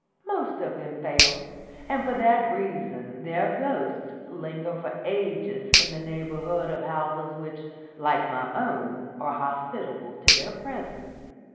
"Most of them fail; and for that reason their ghosts linger for ages in the neighbourhood of houses which, like my own, are hospitable to their presence.